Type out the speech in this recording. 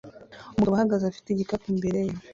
Umugabo ahagaze afite igikapu imbere ye